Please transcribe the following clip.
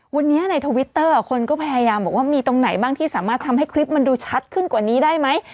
วันนี้ในทวิตเตอร์คนก็พยายามบอกว่ามีตรงไหนบ้างที่สามารถทำให้คลิปมันดูชัดขึ้นกว่านี้ได้ไหม